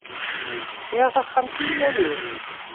Sεiɣ taxxamt i iman-iw.